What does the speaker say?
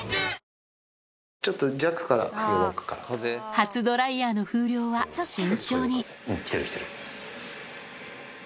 初ドライヤーの風量は慎重に来てる来てる。